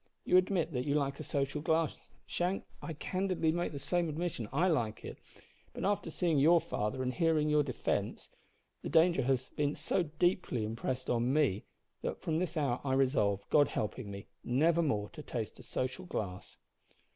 You admit that you like a social glass. Shank, I candidly make the same admission I like it, but after seeing your father, and hearing your defence, the danger has been so deeply impressed on me, that from this hour I resolve, God helping me, never more to taste a social glass."